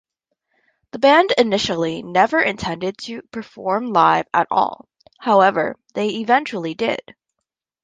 The band initially never intended to perform live at all, however they eventually did.